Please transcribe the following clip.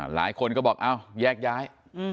หลายคนก็บอกอ้าวแยกย้าย